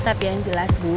tapi yang jelas bu